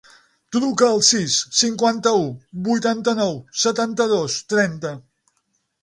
Truca al sis, cinquanta-u, vuitanta-nou, setanta-dos, trenta.